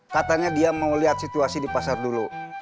katanya dia mau lihat situasi di pasar dulu